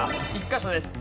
１カ所です。